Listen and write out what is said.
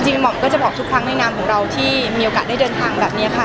หม่อมก็จะบอกทุกครั้งในนามของเราที่มีโอกาสได้เดินทางแบบนี้ค่ะ